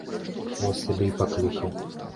Вось табе і паклікаў.